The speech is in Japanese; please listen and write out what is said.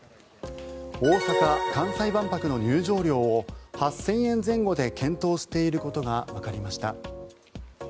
大阪・関西万博の入場料を８０００円前後で検討していることがわかりました。